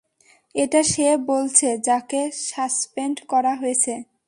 এটা সে বলছে, যাকে সাসপেন্ড করা হয়েছে।